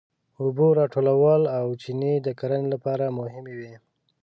اوبه راټولول او چینې د کرنې لپاره مهمې وې.